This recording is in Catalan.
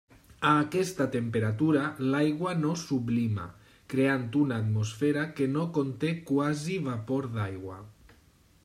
A aquesta temperatura l'aigua no sublima, creant una atmosfera que no conté quasi vapor d'aigua.